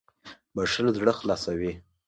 • بښل زړه خلاصوي.